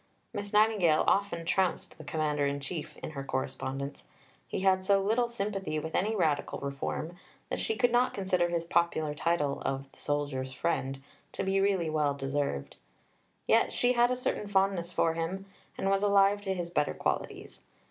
Miss Nightingale often trounced the Commander in Chief in her correspondence. He had so little sympathy with any radical reform that she could not consider his popular title of "The Soldier's Friend" to be really well deserved. Yet she had a certain fondness for him, and was alive to his better qualities.